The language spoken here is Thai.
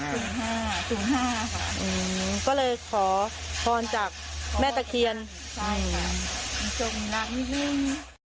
อืมก็เลยขอพรจากแม่ตะเคียนใช่ค่ะจงรักนิดหนึ่ง